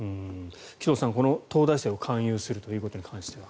紀藤さん、東大生を勧誘するということに関しては。